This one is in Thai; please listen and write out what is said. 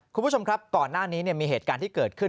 คุณผู้ชมครับก่อนหน้านี้มีเหตุการณ์ที่เกิดขึ้น